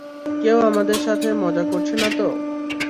কেউ আমাদের সাথে মজা করছে নাতো?